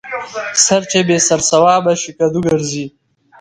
ـ سر چې بې سر سوابه شي کدو ګرځي.